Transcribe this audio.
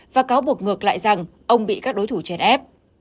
và cáo buộc ngược lại rằng ông bị các đối thủ chèn ép